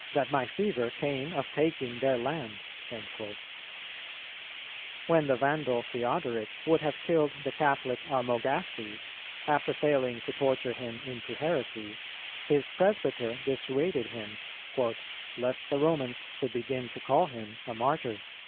that my fever came of taking their land."[279:3] When the Vandal Theodoric would have killed the Catholic Armogastes, after failing to torture him into heresy, his presbyter dissuaded him, "lest the Romans should begin to call him a Martyr."